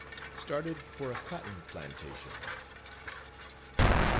STARTED FOR A COTTON PLANTATION.